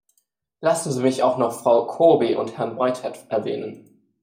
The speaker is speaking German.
Lassen Sie mich auch noch Frau Corbey und Herrn Whitehead erwähnen.